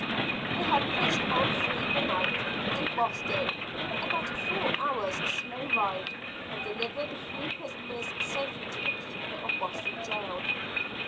They had pushed on through the night to Boston about a four hours' slow ride and delivered the three prisoners safely to the keeper of Boston jail.